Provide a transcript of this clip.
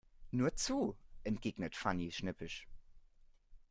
Nur zu, entgegnet Fanny schnippisch.